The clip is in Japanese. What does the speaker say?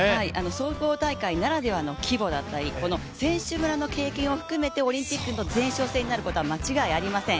総合大会ならではの規模だったり選手村の経験を含めてオリンピックの前哨戦になることは間違いありません。